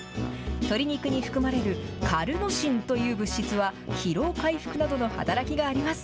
とり肉に含まれるカルノシンという物質は、疲労回復などの働きがあります。